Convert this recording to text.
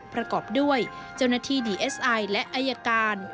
ประกอบด้วยเจ้าหน้าที่ดีเอสไอและอายการ